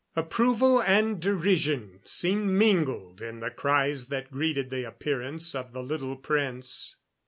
Approval and derision seemed mingled in the cries that greeted the appearance of the little prince.